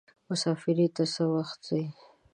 مسافری ته څه وخت ځئ.